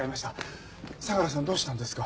相良さんどうしたんですか？